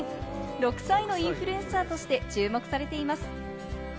６歳のインフルエンサーとして注目されています。